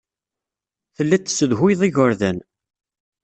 Telliḍ tessudhuyeḍ igerdan.